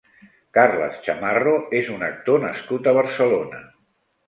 Carles Chamarro és un actor nascut a Barcelona.